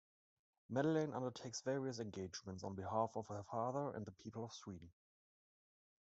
Madeleine undertakes various engagements on behalf of her father and the people of Sweden.